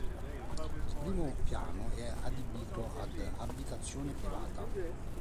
Il primo piano è adibito ad abitazione privata.